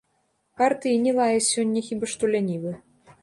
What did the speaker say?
Партыі не лае сёння хіба што лянівы.